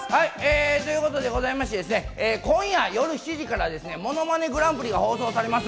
ということで、今夜夜７時から『ものまねグランプリ』が放送されます！